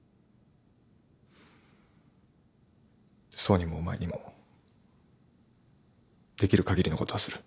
爽にもお前にもできる限りのことはする。